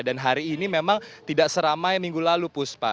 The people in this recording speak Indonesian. dan hari ini memang tidak seramai minggu lalu puspa